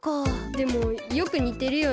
でもよくにてるよね。